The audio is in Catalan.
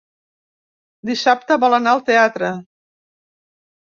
Dissabte vol anar al teatre.